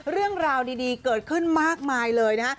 เรื่องราวดีเกิดขึ้นมากมายเลยนะฮะ